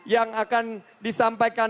yang akan disampaikan